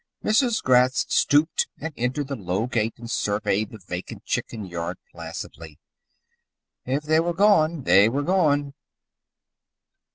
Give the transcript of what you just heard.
Mrs. Gratz stooped and entered the low gate and surveyed the vacant chicken yard placidly. If they were gone, they were gone.